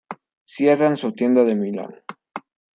Cierran su tienda de Milán.